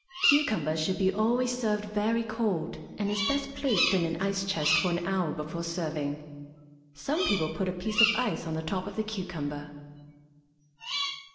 Cucumber should be always served very cold, and is best placed in an ice chest for an hour before serving. Some people put a piece of ice on the top of the cucumber.